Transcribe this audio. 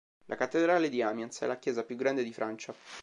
La Cattedrale di Amiens è la chiesa più grande di Francia.